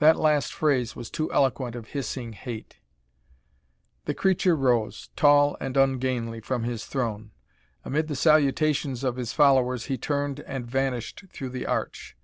That last phrase was too eloquent of hissing hate. The creature rose, tall and ungainly, from his throne; amid the salutations of his followers he turned and vanished through the arch.